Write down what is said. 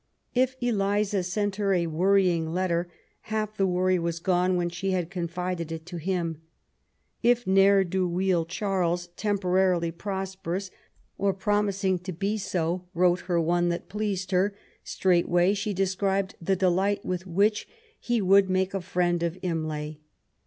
If Eliza sent her a worrying letter, half the worry was gone when she had confided it to him. If ne'er do weel Charles, temporarily prosperous^ or promising to LIFE WITH IMLA T. 1 31 be so, wrote her one that pleased her, straightway she described the delight with which he would make a friend of Imlay.